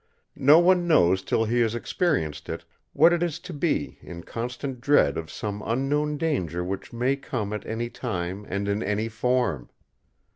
No one knows till he has experienced it, what it is to be in constant dread of some unknown danger which may come at any time and in any form.